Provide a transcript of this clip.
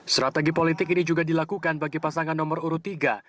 strategi politik ini juga dilakukan bagi pasangan nomor urut tiga